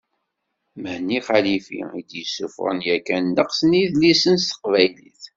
Mhenni Xalifi, i d-yessuffɣen yakan ddeqs n yidlisen s teqbaylit.